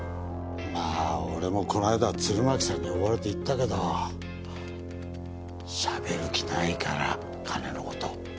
まあ俺もこないだは鶴巻さんに呼ばれて行ったけどしゃべる気ないから金のこと。